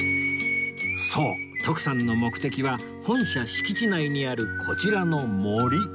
そう徳さんの目的は本社敷地内にあるこちらの森